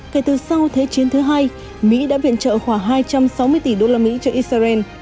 kể từ sau thế chiến thứ hai mỹ đã viện trợ khoảng hai trăm sáu mươi tỷ đô la mỹ cho israel